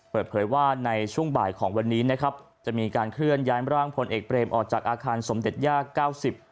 เปิดเผยว่าในช่วงบ่ายของวันนี้นะครับจะมีการเคลื่อนย้ายร่างพลเอกเบรมออกจากอาคารสมเด็จยากเก้าสิบ